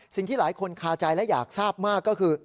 สิ่งที่หลายคนคาใจและอยากทราบมากก็คือ